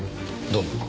どうも。